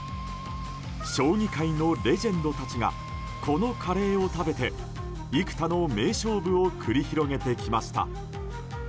将棋界のレジェンドたちがこのカレーを食べて幾多の名勝負を繰り広げてきました。